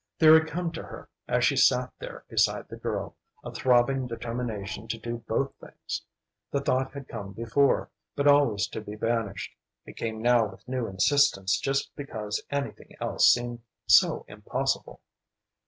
There had come to her, as she sat there beside the girl, a throbbing determination to do both things. The thought had come before, but always to be banished. It came now with new insistence just because anything else seemed so impossible.